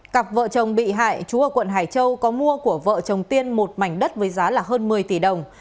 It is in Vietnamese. cặp vợ chồng bị hại chú ở quận hải châu có mua của vợ chồng tiên một mảnh đất với giá hơn một mươi tỷ đồng